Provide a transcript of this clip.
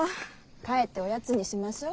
帰っておやつにしましょう。